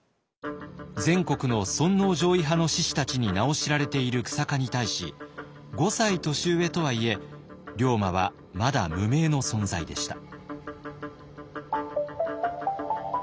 全国の尊皇攘夷派の志士たちに名を知られている久坂に対し５歳年上とはいえ龍馬はまだ無名の存在でした。